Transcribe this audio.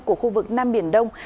của khu vực nam biển đông